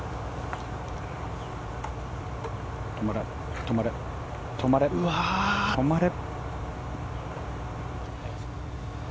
止まれ、止まれ、止まれ止まれ。